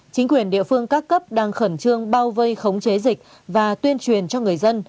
chính quyền địa phương các cấp đang khẩn trương bao vây khống chế dịch và tuyên truyền cho người dân